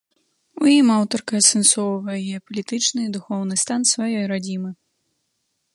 У ім аўтарка асэнсоўвае геапалітычны і духоўны стан сваёй радзімы.